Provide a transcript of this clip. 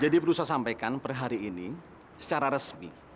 jadi berusaha sampaikan per hari ini secara resmi